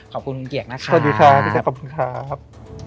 ขอบคุณคุณเกียรตินะครับคุณผู้ชมขอบคุณครับขอบคุณครับ